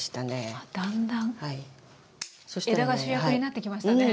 だんだん枝が主役になってきましたね。